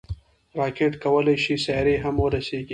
راکټ کولی شي سیارې هم ورسیږي